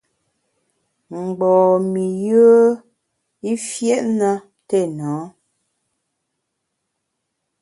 Mgbom-i yùe i fiét na téna.